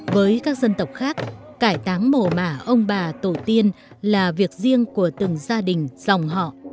với các dân tộc khác cải táng mồ mả ông bà tổ tiên là việc riêng của từng gia đình dòng họ